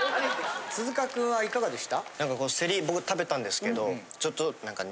鈴鹿君はいかがでした？